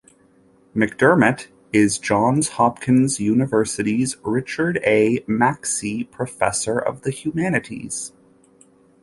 McDermott is Johns Hopkins University's Richard A. Macksey Professor of the Humanities.